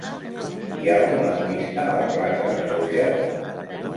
Hi ha algun lampista a la plaça de Sóller?